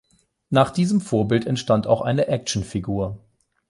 Nach diesem Vorbild entstand auch eine Action-Figur.